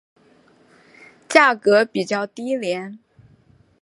价格比较低廉。